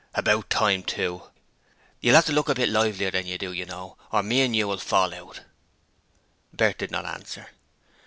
'About time, too. You'll 'ave to look a bit livelier than you do, you know, or me and you will fall out.' Bert did not answer.